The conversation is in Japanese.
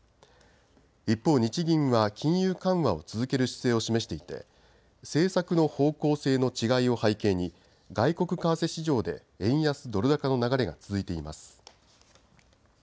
一方、日銀は金融緩和を続ける姿勢を示していて政策の方向性の違いを背景に外国為替市場で円安ドル高の流れが続いています。